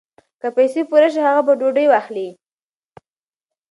که پیسې پوره شي هغه به ډوډۍ واخلي.